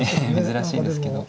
珍しいですけど。